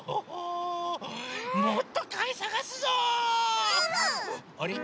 もっとかいさがすぞ！